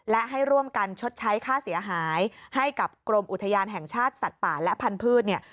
และให้ร่วมกันชดใช้ค่าเสียหายให้กับกรมอุทยานแห่งชาติสัตว์ป่าและพันธุ์เนี่ย